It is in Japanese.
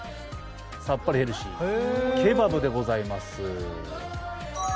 さっぱりヘルシーケバブでございます。